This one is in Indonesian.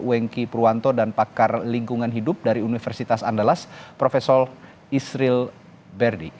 wengki purwanto dan pakar lingkungan hidup dari universitas andalas prof isril berdi